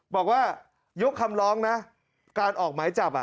บอกว่ายกคำร้องนะการออกหมายจับ